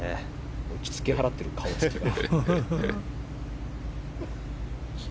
落ち着き払っている、顔つきが。